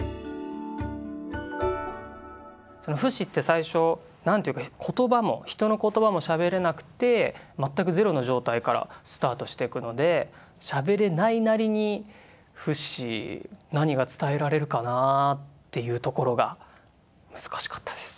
そのフシって最初なんていうか言葉も人の言葉もしゃべれなくてまったくゼロの状態からスタートしていくのでしゃべれないなりにフシ何が伝えられるかなっていうところが難しかったです。